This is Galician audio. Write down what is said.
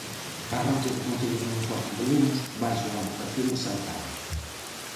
Parroquia do concello de Monforte de Lemos baixo a advocación de Santalla.